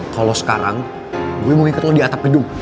kalau sekarang gue mau ikut lo di atap gedung